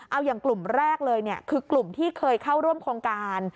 เอาอย่างกลุ่มแรกเลยคือกลุ่มที่เคยเข้าร่วมโครงการ